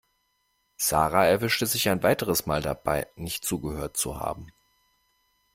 Sarah erwischte sich ein weiteres Mal dabei, nicht zugehört zu haben.